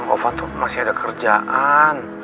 sayang ovan tuh masih ada kerjaan